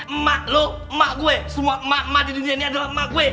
emak lo emak gue semua emak emak di dunia ini adalah emak gue